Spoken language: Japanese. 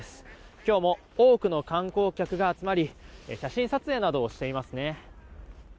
今日も多くの観光客が集まり写真撮影などをしていますね。